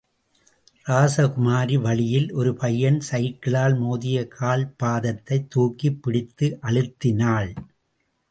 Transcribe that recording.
ராசகுமாரி வழியில் ஒரு பையன் சைக்கிளால் மோதிய கால்பாதத்தைத் தூக்கிப் பிடித்து அழுத்தினாள்.